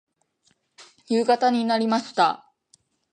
夕方になりました。